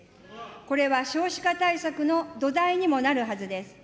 これは少子化対策の土台にもなるはずです。